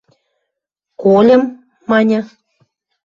– Кольым, – маньы.